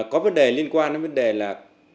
có vấn đề liên quan đến vấn đề là